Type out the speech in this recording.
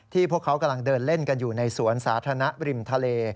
พวกเขากำลังเดินเล่นกันอยู่ในสวนสาธารณะริมทะเล